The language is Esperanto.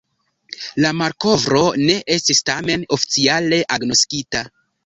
La malkovro ne estis tamen oficiale agnoskita.